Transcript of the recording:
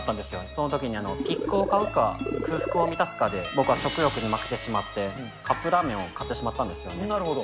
そのときにピックを買うか、空腹を満たすかで、僕は食欲に負けてしまって、カップラーメンを買ってしまったなるほど。